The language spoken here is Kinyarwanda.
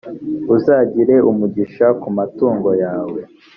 uzagire umugisha ku matungo yawe,